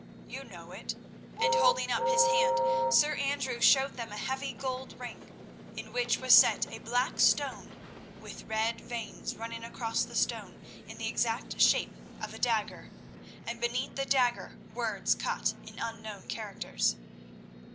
You know it," and holding up his hand, Sir Andrew showed them a heavy gold ring, in which was set a black stone, with red veins running across the stone in the exact shape of a dagger, and beneath the dagger words cut in unknown characters.